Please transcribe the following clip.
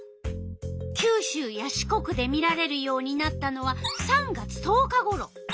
九州や四国で見られるようになったのは３月１０日ごろ。